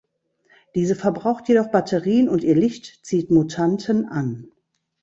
Diese verbraucht jedoch Batterien und ihr Licht zieht Mutanten an.